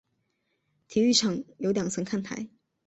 体育场有两层看台。